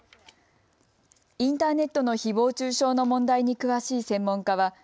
インターネットのひぼう中傷の問題に詳しい専門家は